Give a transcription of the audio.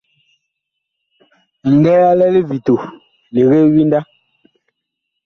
Ŋlɛɛ a lɛ livito, legee winda.